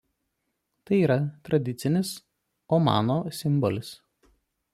Tai yra tradicinis Omano simbolis.